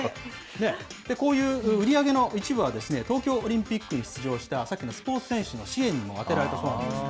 こういう売り上げの一部は、東京オリンピックに出場した、さっきのスポーツ選手の支援にも充てられたそうなんです。